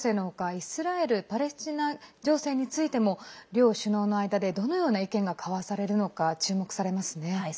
イスラエルパレスチナ情勢についても両首脳の間でどのような意見が交わされるのか注目されますね。